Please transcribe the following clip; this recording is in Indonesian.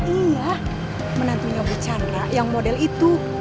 iya menantunya bucandra yang model itu